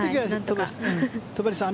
戸張さん